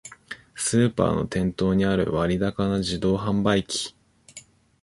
スーパーの店頭にある割高な自動販売機